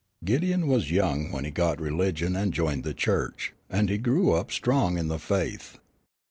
Gideon was young when he got religion and joined the church, and he grew up strong in the faith.